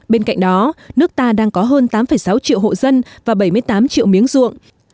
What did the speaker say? bên cạnh đó nước ta đang có hơn tám sáu triệu hộ dân và bảy mươi tám triệu miếng ruộng